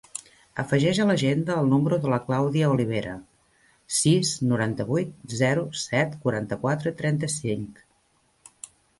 Afegeix a l'agenda el número de la Clàudia Olivera: sis, noranta-vuit, zero, set, quaranta-quatre, trenta-cinc.